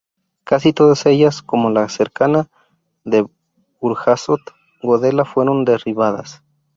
Casi todas ellas, como la cercana de Burjasot-Godella fueron derribadas.